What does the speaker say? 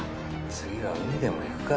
次は海でも行くか。